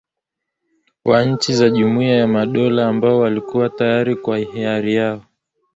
wa nchi za jumuiya ya madola ambao walikuwa tayari kwa hiari yao